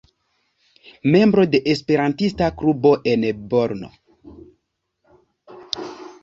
Membro de Esperantista klubo en Brno.